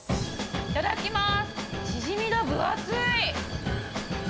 いただきます。